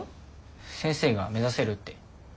先生が目指せるって。